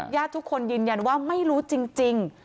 ญาติทุกคนยืนยันว่าไม่รู้จริง